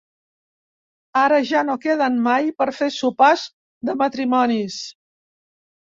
Ara ja no queden mai per fer sopars de matrimonis.